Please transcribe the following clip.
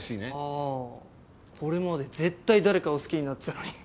あこれまで絶対誰かを好きになってたのに。